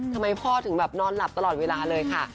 ทำไมพ่อถึงแบบนอนหลับตลอดเวลาเลยค่ะ